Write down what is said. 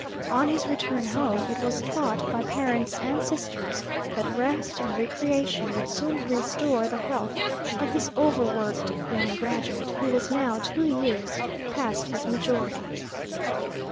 On his return home, it was thought by parents and sisters that rest and recreation would soon restore the health of this overworked young graduate, who was now two years past his majority.